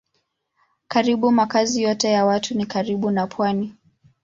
Karibu makazi yote ya watu ni karibu na pwani.